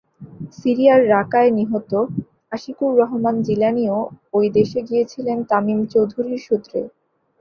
সিরিয়ার রাকায় নিহত আশিকুর রহমান জিলানীও ওই দেশে গিয়েছিলেন তামিম চৌধুরীর সূত্রে।